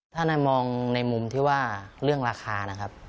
ถ้านายมองในมุมที่ว่าเรื่องราคานะครับ